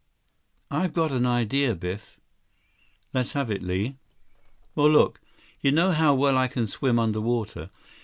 "I've got an idea, Biff." "Let's have it, Li." 88 "Well, look, you know how well I can swim under water.